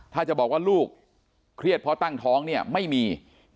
ถ้าจะบอกว่าลูกเครียดเพราะตั้งท้องเนี่ยไม่มี